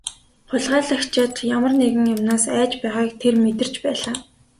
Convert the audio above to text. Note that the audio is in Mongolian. Хулгайлагчид ямар нэгэн юмнаас айж байгааг тэр мэдэрч байлаа.